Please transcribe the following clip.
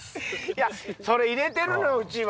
いやそれ入れてるのようちは。